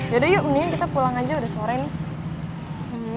yaudah yuk mendingan kita pulang aja udah sore nih